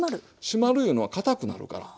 締まるいうのはかたくなるから。